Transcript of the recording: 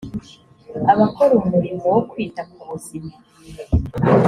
abakora umurimo wo kwita ku buzima